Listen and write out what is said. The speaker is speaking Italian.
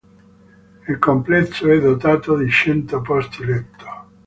Il complesso è dotato di cento posti letto.